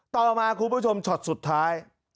ต่อมาคุณผู้ชมช็อตสุดท้าย